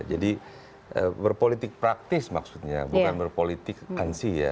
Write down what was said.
jadi berpolitik praktis maksudnya bukan berpolitik ansi ya